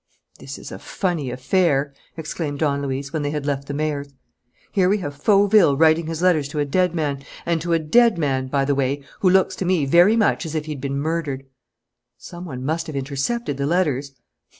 "This is a funny affair," exclaimed Don Luis, when they had left the mayor's. "Here we have Fauville writing his letters to a dead man and to a dead man, by the way, who looks to me very much as if he had been murdered." "Some one must have intercepted the letters."